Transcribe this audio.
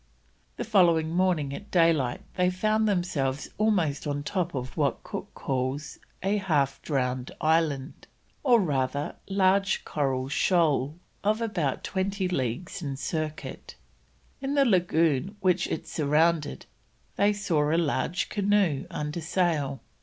The following morning at daylight they found themselves almost on the top of what Cook calls "a half drowned island, or rather large coral shoal of about 20 leagues in circuit." In the lagoon which it surrounded they saw a large canoe under sail.